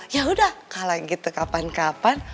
yaudah kalo gitu kapan kapan